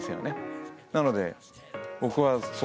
なので僕はそう。